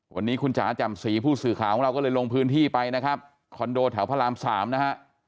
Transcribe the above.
วันนี้คุณบาสาวสีผู้สื่อข่าวเราไปนะครับคอนโดแถวพระราม๓นะฮะ